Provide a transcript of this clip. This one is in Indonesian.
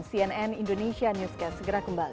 cnn indonesia newscast segera kembali